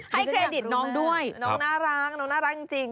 เครดิตน้องด้วยน้องน่ารักน้องน่ารักจริง